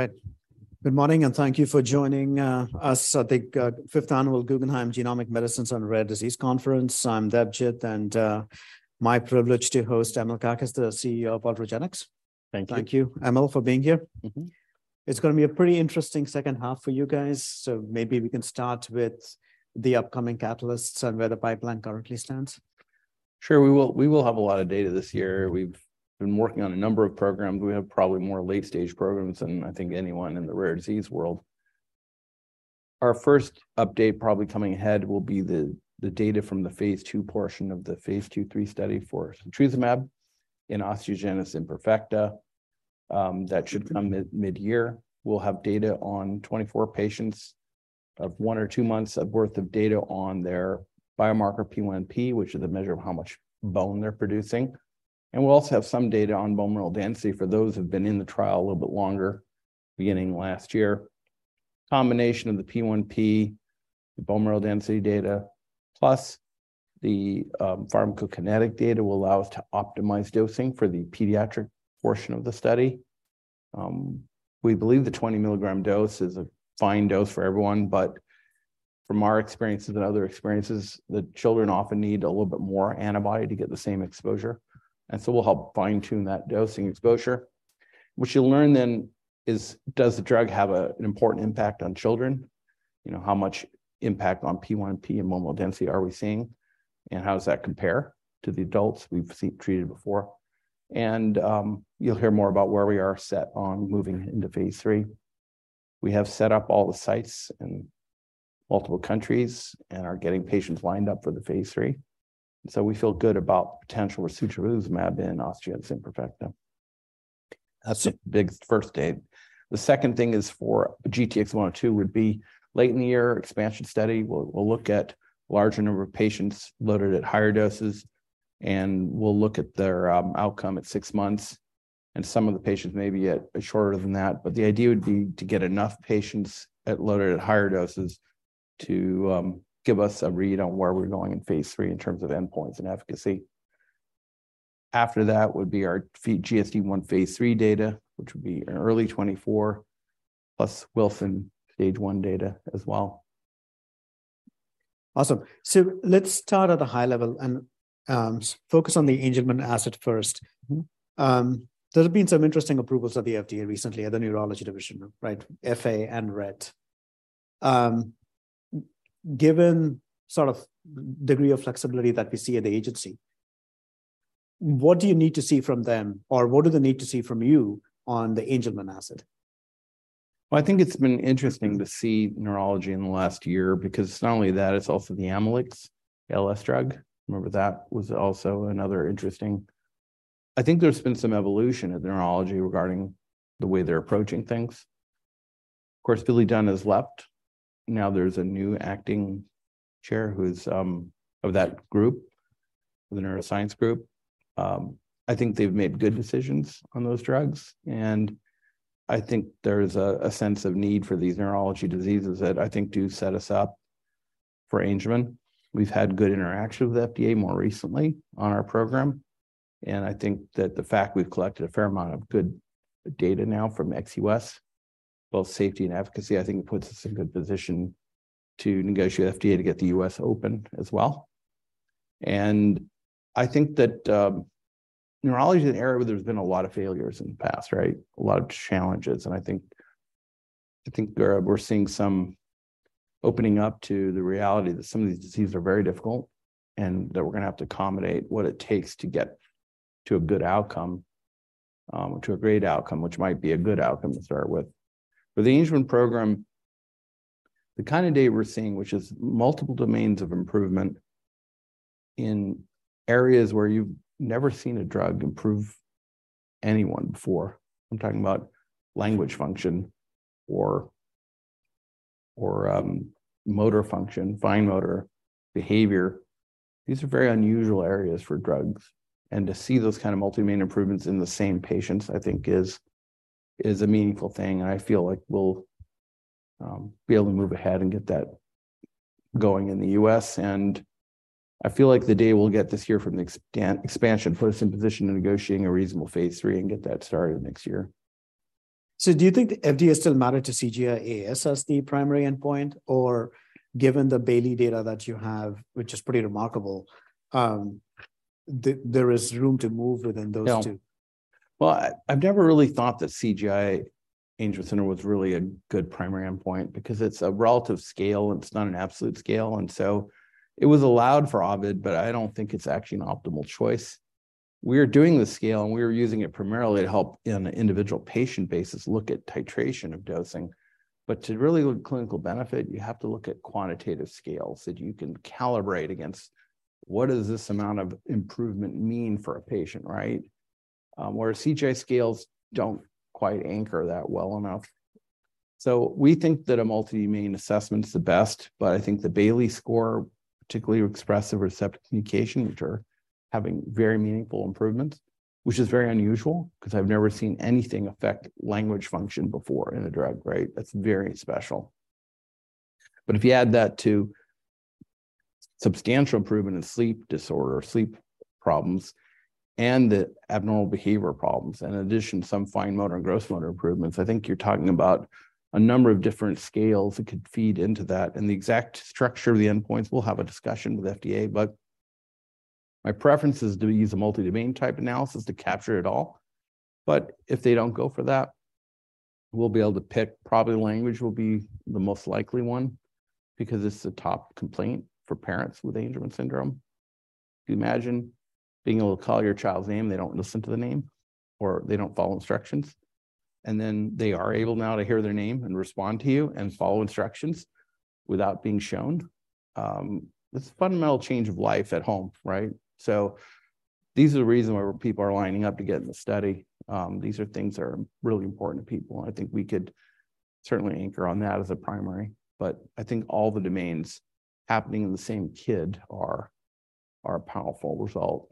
Right. Good morning. Thank you for joining us at the fifth Annual Guggenheim Genomic Medicines and Rare Disease Day. I'm Debjit, and my privilege to host Emil Kakkis, the CEO of Ultragenyx. Thank you. Thank you, Emil, for being here. It's gonna be a pretty interesting second half for you guys. Maybe we can start with the upcoming catalysts and where the pipeline currently stands. Sure. We will have a lot of data this year. We've been working on a number of programs. We have probably more late-stage programs than I think anyone in the rare disease world. Our first update probably coming ahead will be the data from the phase 2 portion of the phase 2-3 study for setrusumab in osteogenesis imperfecta, that should come mid-year. We'll have data on 24 patients of one or two months of worth of data on their biomarker P1P, which is a measure of how much bone they're producing. We'll also have some data on bone mineral density for those who've been in the trial a little bit longer, beginning last year. Combination of the P1P, the bone mineral density data, plus the pharmacokinetic data will allow us to optimize dosing for the pediatric portion of the study. We believe the 20-milligram dose is a fine dose for everyone, but from our experiences and other experiences, the children often need a little bit more antibody to get the same exposure, and so we'll help fine-tune that dosing exposure. What you'll learn then is, does the drug have an important impact on children? You know, how much impact on P1P and bone mineral density are we seeing, and how does that compare to the adults treated before? You'll hear more about where we are set on moving into phase 3. We have set up all the sites in multiple countries and are getting patients lined up for the phase 3. We feel good about the potential for setrusumab in osteogenesis imperfecta. That's the big first date. The second thing is for GTX-102 would be late in the year, expansion study. We'll look at larger number of patients loaded at higher doses, and we'll look at their outcome at 6 months, and some of the patients may be at shorter than that. But the idea would be to get enough patients loaded at higher doses to give us a read on where we're going in phase 3 in terms of endpoints and efficacy. After that would be our GSD I phase 3 data, which would be in early 2024, plus Wilson phase 1 data as well. Awesome. Let's start at a high level and, focus on the Angelman asset first. There have been some interesting approvals of the FDA recently at the Neurology Division, right, FA and Rett. Given sort of degree of flexibility that we see at the agency, what do you need to see from them, or what do they need to see from you on the Angelman asset? Well, I think it's been interesting to see neurology in the last year because it's not only that, it's also the Amylyx ALS drug. I think there's been some evolution at neurology regarding the way they're approaching things. Of course, Billy Dunn has left. There's a new acting chair who's of that group, the neuroscience group. I think they've made good decisions on those drugs, and I think there's a sense of need for these neurology diseases that I think do set us up for Angelman. We've had good interaction with the FDA more recently on our program, and I think that the fact we've collected a fair amount of good data now from ex U.S., both safety and efficacy, I think it puts us in a good position to negotiate with FDA to get the U.S. open as well. I think that neurology is an area where there's been a lot of failures in the past, right? A lot of challenges, I think we're seeing some opening up to the reality that some of these diseases are very difficult and that we're gonna have to accommodate what it takes to get to a good outcome, to a great outcome, which might be a good outcome to start with. For the Angelman program, the kind of data we're seeing, which is multiple domains of improvement in areas where you've never seen a drug improve anyone before. I'm talking about language function or motor function, fine motor behavior. These are very unusual areas for drugs, and to see those kind of multi-main improvements in the same patients, I think is a meaningful thing, and I feel like we'll be able to move ahead and get that going in the U.S. I feel like the day we'll get this year from the expansion, put us in position to negotiating a reasonable phase 3 and get that started next year. Do you think the FDA still matter to CGI as the primary endpoint? Given the Bayley data that you have, which is pretty remarkable, there is room to move within those two? Well, I've never really thought that CGI Angelman syndrome was really a good primary endpoint because it's a relative scale, and it's not an absolute scale. It was allowed for Ovid, but I don't think it's actually an optimal choice. We're doing the scale, and we're using it primarily to help in an individual patient basis look at titration of dosing. To really look at clinical benefit, you have to look at quantitative scales that you can calibrate against what does this amount of improvement mean for a patient, right? Whereas CGI scales don't quite anchor that well enough. We think that a multi-domain assessment is the best, but I think the Bayley score, particularly expressive receptive communication, which are having very meaningful improvements, which is very unusual because I've never seen anything affect language function before in a drug, right? That's very special. If you add that to-Substantial improvement in sleep disorder, sleep problems, and the abnormal behavior problems. In addition, some fine motor and gross motor improvements. I think you're talking about a number of different scales that could feed into that, and the exact structure of the endpoints, we'll have a discussion with FDA. My preference is to use a multi-domain type analysis to capture it all. If they don't go for that, probably language will be the most likely one because it's the top complaint for parents with Angelman syndrome. If you imagine being able to call your child's name, they don't listen to the name, or they don't follow instructions, and then they are able now to hear their name and respond to you and follow instructions without being shown, it's a fundamental change of life at home, right? These are the reasons why people are lining up to get in the study. These are things that are really important to people, and I think we could certainly anchor on that as a primary. I think all the domains happening in the same kid are a powerful result.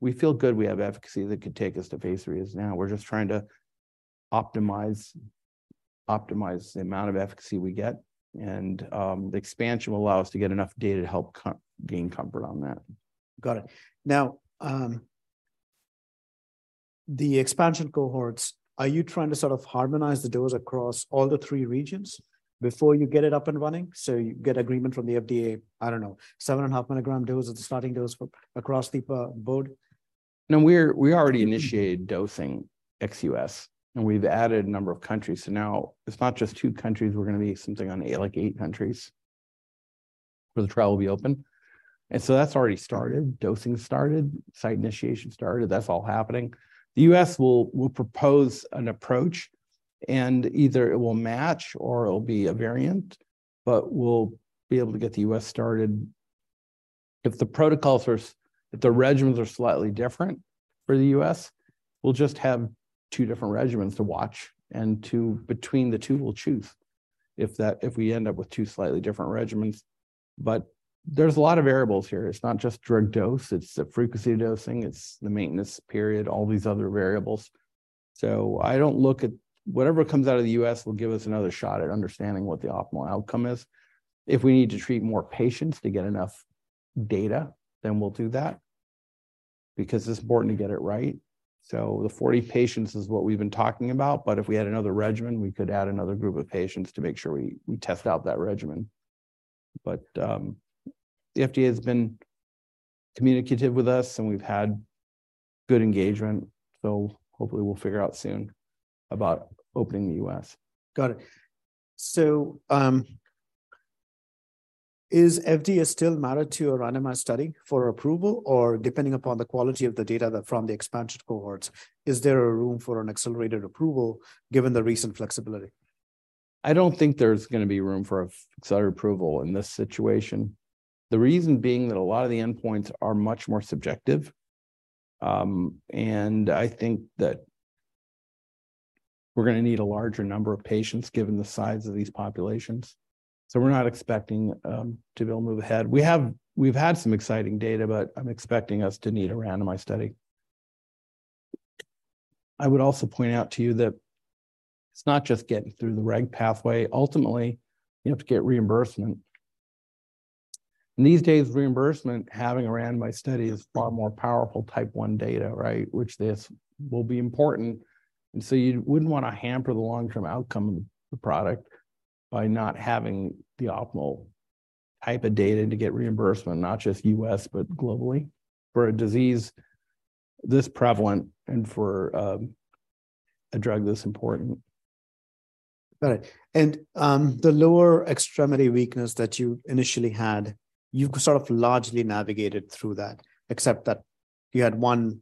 We feel good we have efficacy that could take us to phase III. Now we're just trying to optimize the amount of efficacy we get, and the expansion will allow us to get enough data to help gain comfort on that. Got it. The expansion cohorts, are you trying to sort of harmonize the dose across all the three regions before you get it up and running? You get agreement from the FDA, I don't know, 7.5 milligram dose is the starting dose across the board. No, we already initiated dosing ex-U.S., and we've added a number of countries. Now it's not just 2 countries. We're gonna be something like 8 countries where the trial will be open. That's already started. Dosing's started. Site initiation's started. That's all happening. The U.S. will propose an approach, and either it will match or it'll be a variant. We'll be able to get the U.S. started. If the regimens are slightly different for the U.S., we'll just have 2 different regimens to watch, and between the 2, we'll choose if we end up with 2 slightly different regimens. There's a lot of variables here. It's not just drug dose. It's the frequency of dosing. It's the maintenance period, all these other variables. I don't look at... Whatever comes out of the U.S. will give us another shot at understanding what the optimal outcome is. If we need to treat more patients to get enough data, then we'll do that because it's important to get it right. The 40 patients is what we've been talking about, but if we had another regimen, we could add another group of patients to make sure we test out that regimen. The FDA has been communicative with us, and we've had good engagement. Hopefully we'll figure out soon about opening the U.S. Got it. Is FDA still married to a randomized study for approval, or depending upon the quality of the data from the expansion cohorts, is there a room for an accelerated approval given the recent flexibility? I don't think there's gonna be room for accelerated approval in this situation. The reason being that a lot of the endpoints are much more subjective, and I think that we're gonna need a larger number of patients given the size of these populations. We're not expecting to be able to move ahead. We've had some exciting data, but I'm expecting us to need a randomized study. I would also point out to you that it's not just getting through the reg pathway. Ultimately, you have to get reimbursement. These days, reimbursement, having a randomized study is far more powerful type one data, right? This will be important, you wouldn't wanna hamper the long-term outcome of the product by not having the optimal type of data to get reimbursement, not just U.S., but globally for a disease this prevalent and for a drug this important. Got it. The lower extremity weakness that you initially had, you've sort of largely navigated through that, except that you had one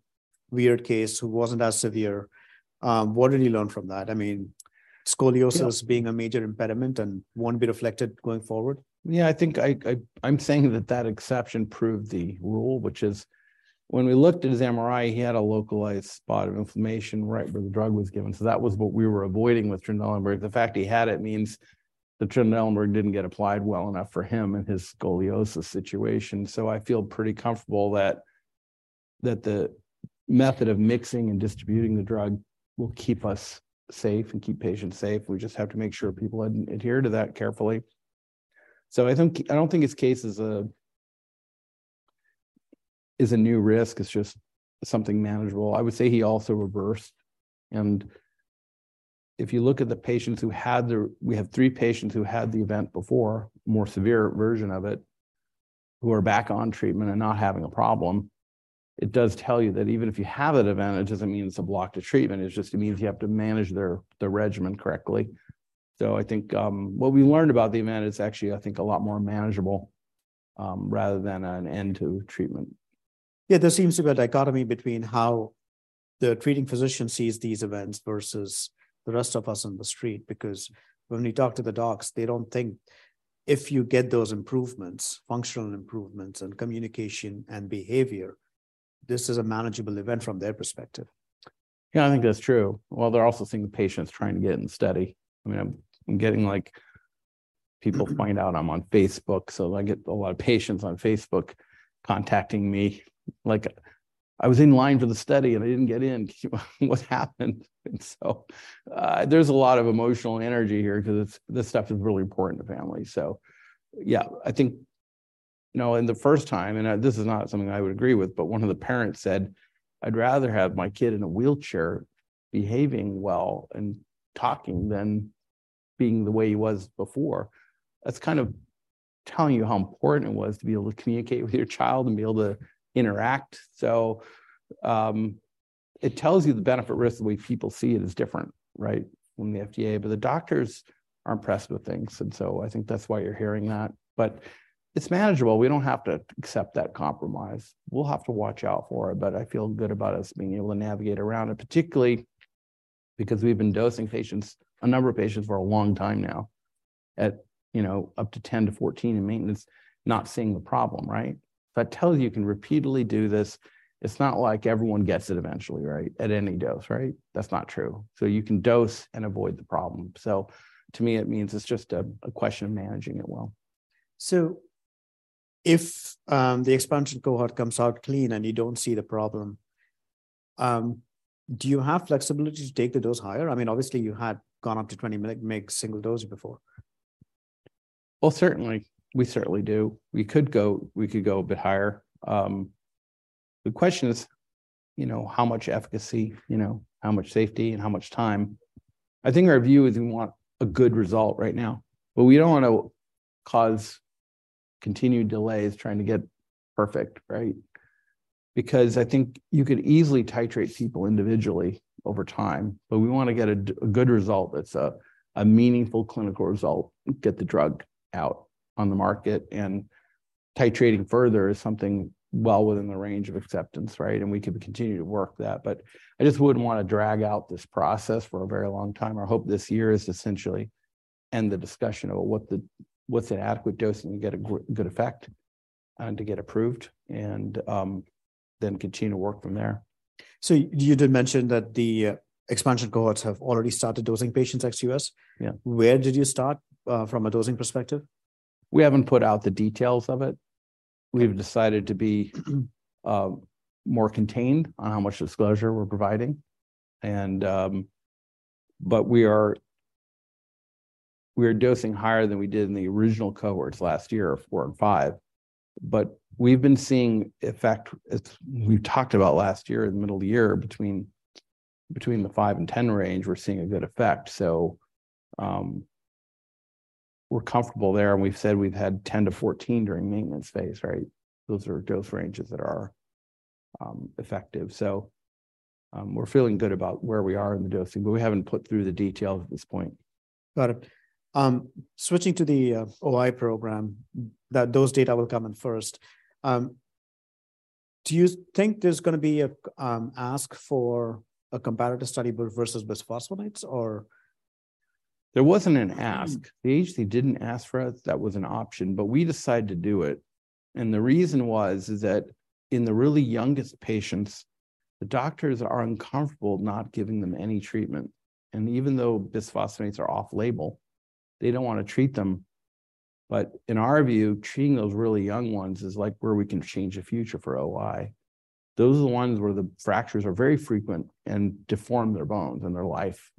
weird case who wasn't as severe. What did you learn from that? I mean, scoliosis? Yeah ...being a major impediment and won't be reflected going forward. Yeah, I think I'm saying that that exception proved the rule, which is when we looked at his MRI, he had a localized spot of inflammation right where the drug was given. That was what we were avoiding with tralokinumab. The fact he had it means the tralokinumab didn't get applied well enough for him and his scoliosis situation. I feel pretty comfortable that the method of mixing and distributing the drug will keep us safe and keep patients safe. We just have to make sure people adhere to that carefully. I don't think his case is a new risk. It's just something manageable. I would say he also reversed, and if you look at the patients who had the... We have 3 patients who had the event before, more severe version of it, who are back on treatment and not having a problem. It does tell you that even if you have that event, it doesn't mean it's a block to treatment. It just means you have to manage their regimen correctly. I think, what we learned about the event, it's actually, I think, a lot more manageable, rather than an end to treatment. There seems to be a dichotomy between how the treating physician sees these events versus the rest of us on the street, because when we talk to the docs, they don't think if you get those improvements, functional improvements in communication and behavior, this is a manageable event from their perspective. Yeah, I think that's true. Well, they're also seeing the patients trying to get in the study. I mean, I'm getting like People find out I'm on Facebook, so I get a lot of patients on Facebook contacting me like I was in line for the study, and I didn't get in what happened? There's a lot of emotional energy here this stuff is really important to families. Yeah, I think You know, the first time, this is not something I would agree with, one of the parents said, "I'd rather have my kid in a wheelchair behaving well and talking than being the way he was before." That's kind of telling you how important it was to be able to communicate with your child and be able to interact. It tells you the benefit-risk, the way people see it, is different, right, from the FDA. The doctors are impressed with things, and so I think that's why you're hearing that. It's manageable. We don't have to accept that compromise. We'll have to watch out for it, but I feel good about us being able to navigate around it, particularly because we've been dosing patients, a number of patients, for a long time now at, you know, up to 10 to 14 in maintenance, not seeing the problem, right? If that tells you can repeatedly do this, it's not like everyone gets it eventually, right, at any dose, right? That's not true. You can dose and avoid the problem. To me, it means it's just a question of managing it well. If the expansion cohort comes out clean, and you don't see the problem, do you have flexibility to take the dose higher? I mean, obviously, you had gone up to 20 mgs single dose before. Well, certainly. We certainly do. We could go a bit higher. The question is, you know, how much efficacy, you know, how much safety, and how much time? I think our view is we want a good result right now, but we don't wanna cause continued delays trying to get perfect, right? Because I think you could easily titrate people individually over time, but we wanna get a good result that's a meaningful clinical result, get the drug out on the market, and titrating further is something well within the range of acceptance, right? We could continue to work that. I just wouldn't wanna drag out this process for a very long time. Our hope this year is to essentially end the discussion about what's an adequate dose, and you get a good effect, and to get approved, and then continue to work from there. You did mention that the expansion cohorts have already started dosing patients ex U.S. Yeah. Where did you start, from a dosing perspective? We haven't put out the details of it. We've decided to be more contained on how much disclosure we're providing. We are dosing higher than we did in the original cohorts last year of 4 and 5. We've been seeing effect, as we talked about last year in the middle of the year, between the 5 and 10 range, we're seeing a good effect. We're comfortable there, and we've said we've had 10 to 14 during maintenance phase, right? Those are dose ranges that are effective. We're feeling good about where we are in the dosing, but we haven't put through the details at this point. Got it. Switching to the OI program, those data will come in first. Do you think there's gonna be a ask for a comparative study versus bisphosphonates, or? There wasn't an ask. The agency didn't ask for us that was an option, but we decided to do it. The reason was, is that in the really youngest patients, the doctors are uncomfortable not giving them any treatment. Even though bisphosphonates are off-label, they don't wanna treat them. In our view, treating those really young ones is, like, where we can change the future for OI. Those are the ones where the fractures are very frequent and deform their bones and their life.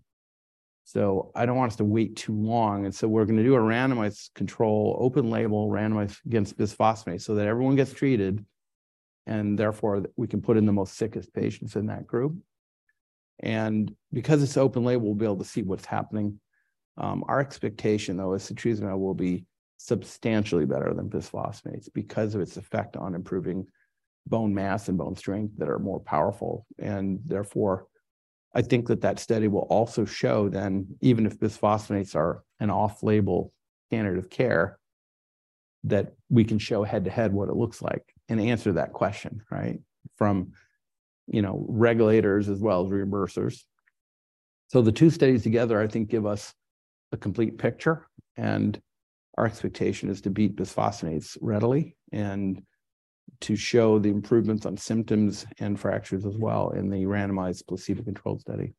I don't want us to wait too long, and so we're gonna do a randomized control, open-label, randomized against bisphosphonates so that everyone gets treated, and therefore we can put in the most sickest patients in that group. Because it's open-label, we'll be able to see what's happening. Our expectation, though, is setrusumab will be substantially better than bisphosphonates because of its effect on improving bone mass and bone strength that are more powerful. I think that that study will also show then, even if bisphosphonates are an off-label standard of care, that we can show head-to-head what it looks like and answer that question, right, from, you know, regulators as well as reimbursers. The two studies together I think give us a complete picture, and our expectation is to beat bisphosphonates readily and to show the improvements on symptoms and fractures as well in the randomized placebo-controlled study.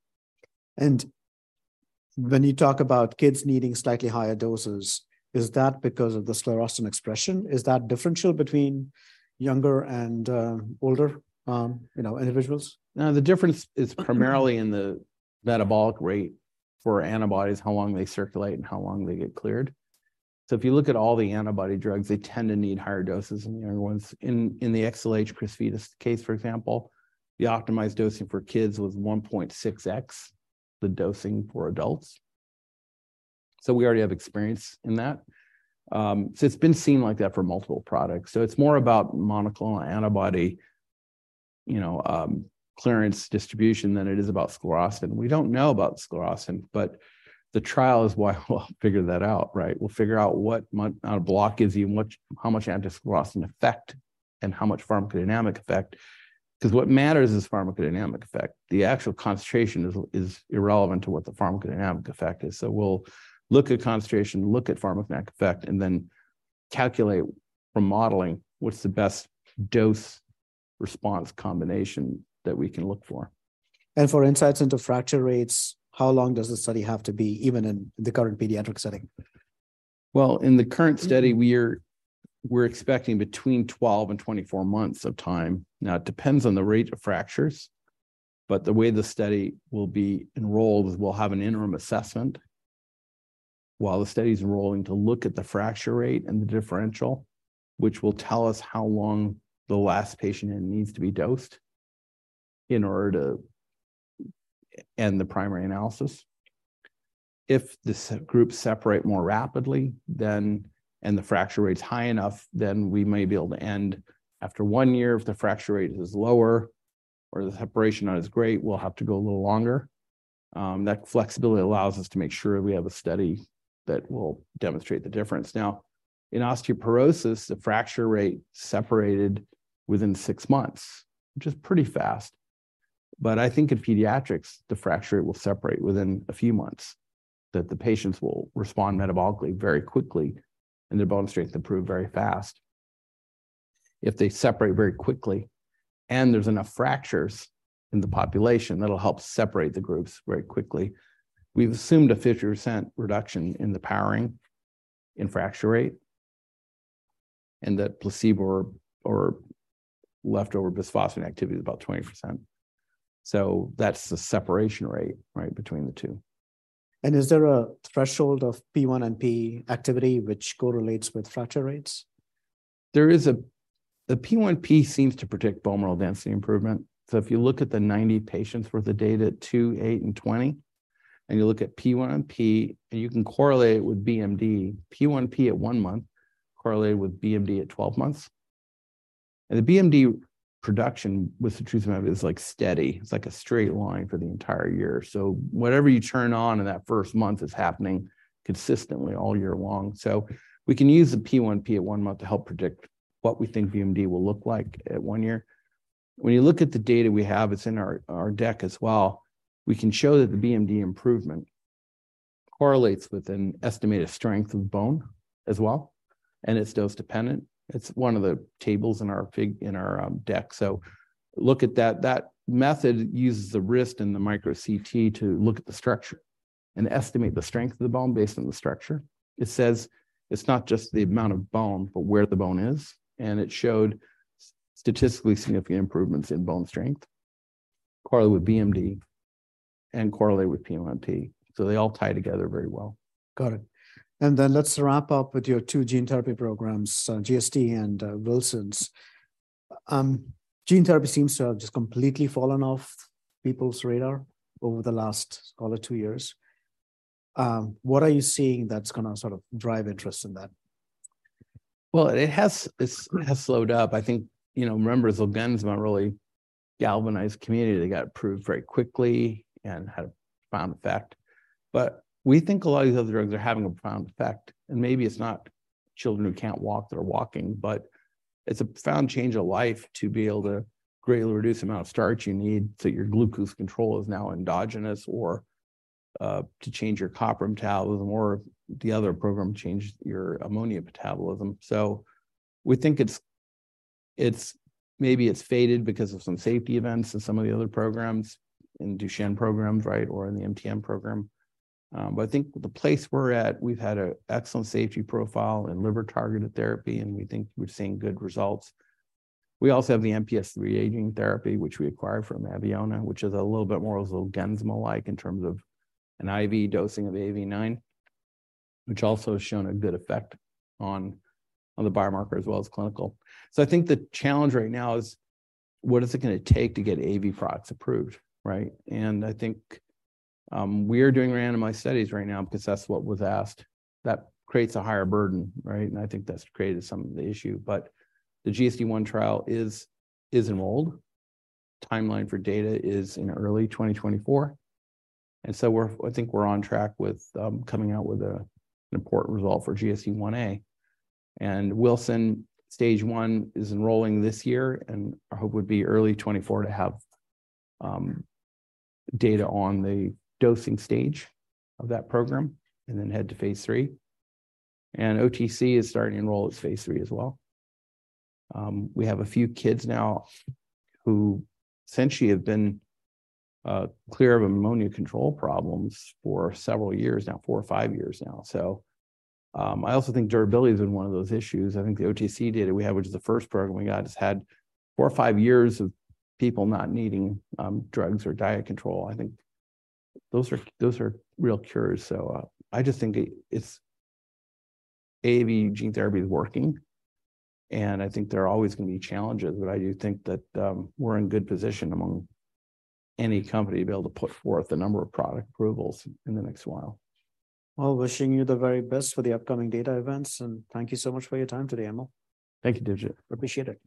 When you talk about kids needing slightly higher doses, is that because of the sclerostin expression? Is that differential between younger and older, you know, individuals? No, the difference is primarily in the metabolic rate for antibodies, how long they circulate, and how long they get cleared. If you look at all the antibody drugs, they tend to need higher doses in the younger ones. In the XLH Crysvita case, for example, the optimized dosing for kids was 1.6x the dosing for adults. We already have experience in that. It's been seen like that for multiple products. It's more about monoclonal antibody, you know, clearance distribution than it is about sclerostin. We don't know about sclerostin, but the trial is why we'll figure that out, right? We'll figure out what a block gives you and how much anti-sclerostin effect and how much pharmacodynamic effect. 'Cause what matters is pharmacodynamic effect. The actual concentration is irrelevant to what the pharmacodynamic effect is. We'll look at concentration, look at pharmacodynamic effect, and then calculate from modeling what's the best dose-response combination that we can look for. For insights into fracture rates, how long does the study have to be, even in the current pediatric setting? Well, in the current study we're expecting between 12 and 24 months of time. It depends on the rate of fractures, but the way the study will be enrolled is we'll have an interim assessment while the study is enrolling to look at the fracture rate and the differential, which will tell us how long the last patient needs to be dosed in order to end the primary analysis. If the groups separate more rapidly, and the fracture rate is high enough, then we may be able to end after 1 year. If the fracture rate is lower or the separation not as great, we'll have to go a little longer. That flexibility allows us to make sure we have a study that will demonstrate the difference. In osteoporosis, the fracture rate separated within 6 months, which is pretty fast. I think in pediatrics, the fracture rate will separate within a few months, that the patients will respond metabolically very quickly, and their bone strength improve very fast. If they separate very quickly and there's enough fractures in the population, that'll help separate the groups very quickly. We've assumed a 50% reduction in the powering in fracture rate, and that placebo or leftover bisphosphonate activity is about 20%. That's the separation rate, right, between the two. Is there a threshold of P1P activity which correlates with fracture rates? There is the P1P seems to predict bone mineral density improvement. If you look at the 90 patients worth of data at 2, 8, and 20, and you look at P1P, and you can correlate it with BMD. P1P at 1 month correlated with BMD at 12 months. The BMD production with setrusumab is, like, steady. It's like a straight line for the entire year. Whatever you turn on in that first month is happening consistently all year long. We can use the P1P at 1 month to help predict what we think BMD will look like at 1 year. When you look at the data we have, it's in our deck as well, we can show that the BMD improvement correlates with an estimated strength of bone as well, and it's dose dependent. It's one of the tables in our in our deck. Look at that. That method uses the wrist and the micro-CT to look at the structure and estimate the strength of the bone based on the structure. It says it's not just the amount of bone, but where the bone is, and it showed statistically significant improvements in bone strength correlate with BMD and correlate with P1P. They all tie together very well. Got it. Let's wrap up with your two gene therapy programs, GSD and Wilson's. Gene therapy seems to have just completely fallen off people's radar over the last, call it two years. What are you seeing that's gonna sort of drive interest in that? It has slowed up. I think, you know, remember Zolgensma really galvanized community. They got approved very quickly and had a profound effect. We think a lot of these other drugs are having a profound effect. Maybe it's not children who can't walk that are walking, but it's a profound change of life to be able to greatly reduce the amount of starch you need so your glucose control is now endogenous or to change your copper metabolism or the other program changed your ammonia metabolism. We think it's maybe it's faded because of some safety events in some of the other programs, in Duchenne programs, right? In the MTM program. I think the place we're at, we've had a excellent safety profile in liver-targeted therapy, and we think we're seeing good results. We also have the MPS III gene therapy, which we acquired from Abeona Therapeutics, which is a little bit more Zolgensma-like in terms of an IV dosing of AAV9, which also has shown a good effect on the biomarker as well as clinical. I think the challenge right now is what is it gonna take to get AAV products approved, right? I think, we're doing randomized studies right now because that's what was asked. That creates a higher burden, right? I think that's created some of the issue. The GSD I trial is enrolled. Timeline for data is in early 2024. We're I think we're on track with an important result for GSD Ia. Wilson stage one is enrolling this year, our hope would be early 2024 to have data on the dosing stage of that program and head to phase 3. OTC is starting to enroll its phase 3 as well. We have a few kids now who essentially have been clear of ammonia control problems for several years now, 4 or 5 years now. I also think durability has been one of those issues. I think the OTC data we have, which is the first program we got, has had 4 or 5 years of people not needing drugs or diet control. I think those are real cures. I just think it's AAV gene therapy is working, and I think there are always going to be challenges, but I do think that we're in good position among any company to be able to put forth a number of product approvals in the next while. Well, wishing you the very best for the upcoming data events, and thank you so much for your time today, Emil. Thank you, Debjit. Appreciate it.